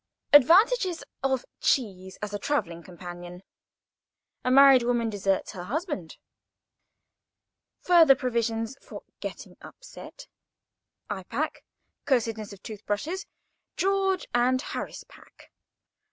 —Advantages of cheese as a travelling companion.—A married woman deserts her home.—Further provision for getting upset.—I pack.—Cussedness of tooth brushes.—George and Harris pack.